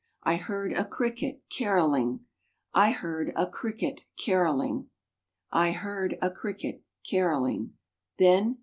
I heard a cricket carolling, I heard a cricket carolling, I heard a cricket carolling. Then